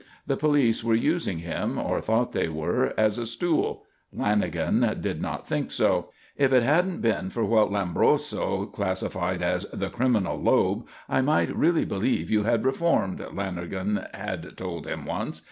The police were using him, or thought they were, as a "stool;" Lanagan did not think so. "If it hadn't been for what Lombroso classified as the 'criminal lobe,' I might really believe you had reformed," Lanagan had told him once.